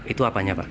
itu apanya pak